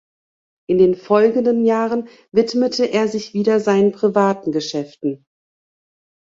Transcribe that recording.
In den folgenden Jahren widmete er sich wieder seinen privaten Geschäften.